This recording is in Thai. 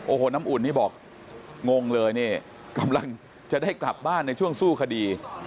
โอ้โหน้ำอุ่นนี่บอกงงเลยนี่กำลังจะได้กลับบ้านในช่วงสู้คดี